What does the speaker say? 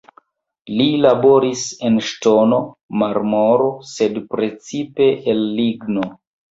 Li laboris el ŝtono, marmoro, sed precipe el ligno.